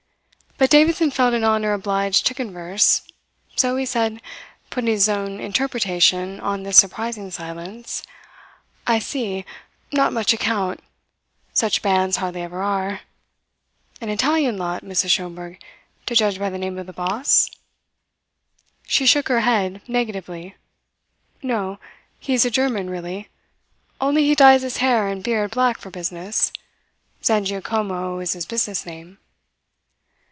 But Davidson felt in honour obliged to converse; so he said, putting his own interpretation on this surprising silence: "I see not much account. Such bands hardly ever are. An Italian lot, Mrs. Schomberg, to judge by the name of the boss?" She shook her head negatively. "No. He is a German really; only he dyes his hair and beard black for business. Zangiacomo is his business name."